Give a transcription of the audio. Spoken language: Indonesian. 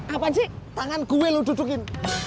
apaan sih tangan gue lu dudukin